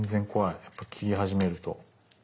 やっぱ切り始めると。